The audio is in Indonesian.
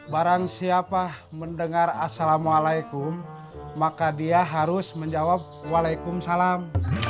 barang siapa mendengar assalamu'alaikum maka dia harus menjawab wa'alaikum salam